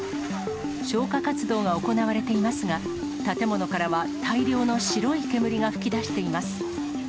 消火活動が行われていますが、建物からは大量の白い煙が噴き出しています。